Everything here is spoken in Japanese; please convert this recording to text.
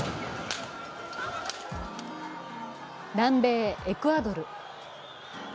南米・エクアドル。